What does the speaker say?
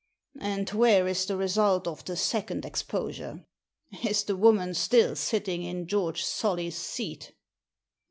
" And where is the result of the second exposure ? Is the woman still sitting in Geoi^e Solly's seat